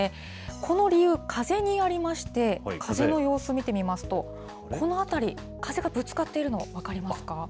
この理由、風にありまして、風の様子、見てみますと、この辺り、風がぶつかっているの、分かりますか。